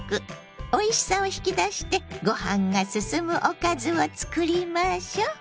おいしさを引き出してご飯がすすむおかずをつくりましょう。